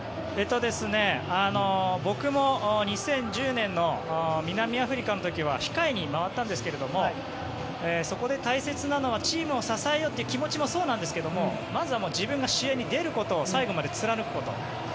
僕も２０１０年の南アフリカの時は控えに回ったんですけどそこで大切なのはチームを支えようという気持ちもそうですがまずは自分が試合に出ることを最後まで貫くこと。